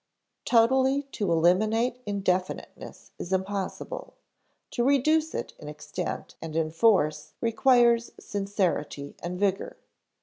Totally to eliminate indefiniteness is impossible; to reduce it in extent and in force requires sincerity and vigor.